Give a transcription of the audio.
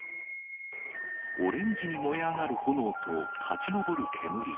オレンジに燃え上がる炎と立ち上る煙。